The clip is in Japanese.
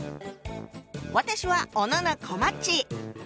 私は小野こまっち。